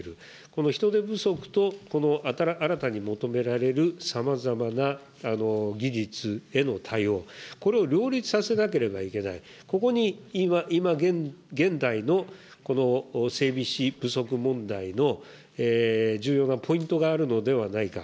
この人手不足とこの新たに求められるさまざまな技術への対応、これを両立させなければいけない、ここに今現代のこの整備士不足問題の重要なポイントがあるのではないか。